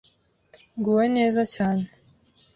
nguwe neze cyene,